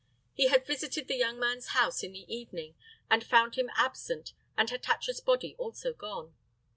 He had visited the young man's house in the evening and found him absent and Hatatcha's body also gone.